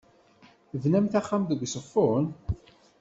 Tebnam axxam deg Uzeffun?